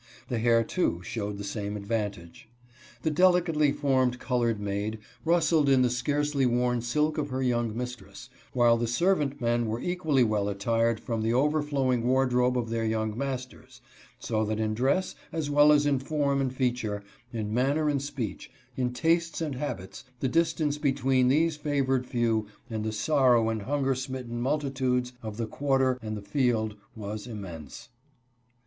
The hair, too, showed the same advantage. The delicately formed colored maid rustled in the scarcely worn silk of her young mistress, while the servant men were equally well attired from the overflowing wardrobe of their young masters, so that in dress, as well as in form and feature, in manner and speech, in tastes and habits, the distance between these favored few and the sorrow and hunger smitten multi tudes of the quarter and the field was immense.